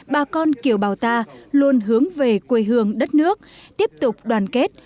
bà con kiều bào ta luôn hướng về quê hương đất nước tiếp tục đoàn kết